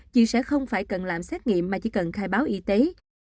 chị sẽ không phải cần làm xét nghiệm mà chỉ cần khai báo y tế